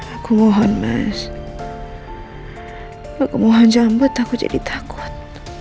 aku mohon mas aku mohon jangan buat aku jadi takut